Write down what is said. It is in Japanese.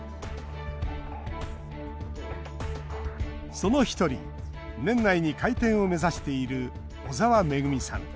その一人年内に開店を目指している小澤めぐみさん。